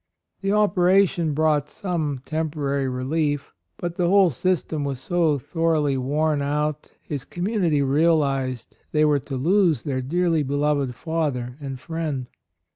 The operation brought some temporary relief; but the whole system was so thoroughly worn out his com munity realized they were to AND MOTHER. 121 lose their dearly beloved Father and friend.